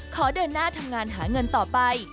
ขอเดินหน้าทำงานหาเงินต่อไป